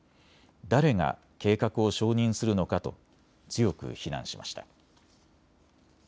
誰が計画を承認するのかと強く非難しました。